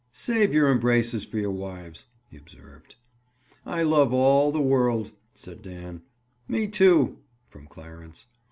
"Save your embraces for your wives," he observed. "I love all the world," said Dan. "Me, too!" from Clarence.